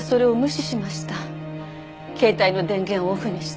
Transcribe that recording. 携帯の電源をオフにして。